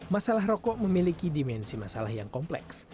masalah rokok memiliki dimensi masalah yang kompleks